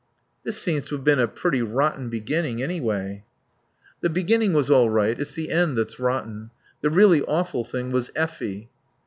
"This seems to have been a pretty rotten beginning, anyway." "The beginning was all right. It's the end that's rotten. The really awful thing was Effie."